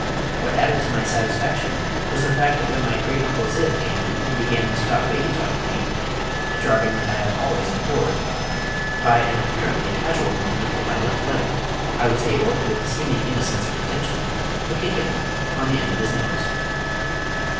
What added to my satisfaction was the fact that when my great uncle Zib came in and began to talk baby talk to me a jargon that I have always abhorred by an apparently casual movement of my left leg I was able with seeming innocence of intention to kick him on the end of his nose.